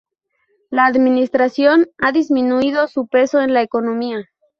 La administración ha disminuido su peso en la economía.